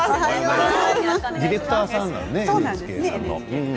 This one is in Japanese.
ディレクターさんなんですねＮＨＫの。